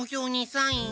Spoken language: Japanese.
サイン！